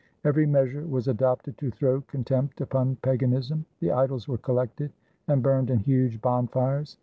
Every measure was adopted to throw contempt upon paganism. The idols were collected and burned in huge bonfires.